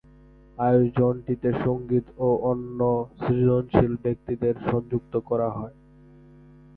আয়োজনটিতে সংগীত ও অন্য সৃজনশীল ব্যক্তিদের যুক্ত করা হয়।